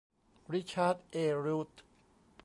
ริชาร์ด เอ รูธ